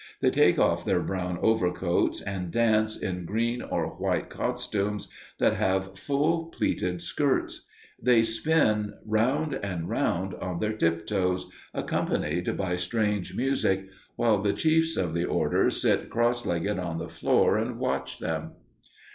They take off their brown overcoats and dance in green or white costumes that have full pleated skirts. They spin round and round on their tiptoes, accompanied by strange music, while the chiefs of the order sit cross legged on the floor and watch them.